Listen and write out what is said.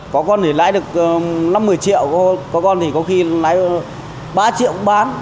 có con thì lãi được năm một mươi triệu có con thì có khi lãi ba triệu cũng bán